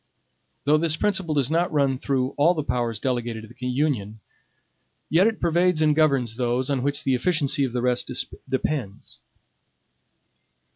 Though this principle does not run through all the powers delegated to the Union, yet it pervades and governs those on which the efficacy of the rest depends.